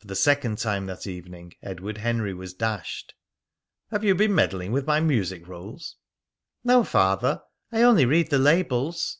For the second time that evening Edward Henry was dashed. "Have you been meddling with my music rolls?" "No, Father. I only read the labels."